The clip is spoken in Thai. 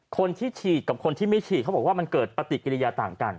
คนที่ฉีดกับคนที่ไม่ฉีดเขาบอกว่ามันเกิดปฏิกิริยาต่างกัน